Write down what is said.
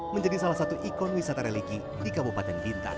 menjadi salah satu ikon wisata reliki di kabupaten bintang